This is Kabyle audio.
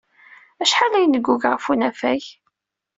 Acḥal ay neggug ɣef unafag?